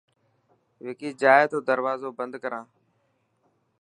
وڪي جائي تو دروازو بند ڪران.